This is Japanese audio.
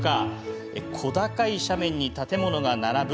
小高い斜面に建物が並ぶ